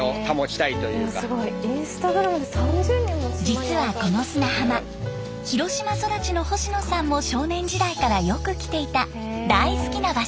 実はこの砂浜広島育ちの星野さんも少年時代からよく来ていた大好きな場所。